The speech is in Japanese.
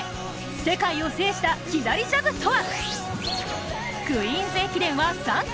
世界を制した左ジャブとは。